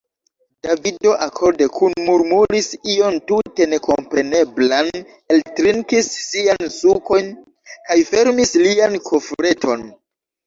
Davido akorde kunmurmuris ion tute nekompreneblan, eltrinkis sian sukon kaj fermis lian kofreton.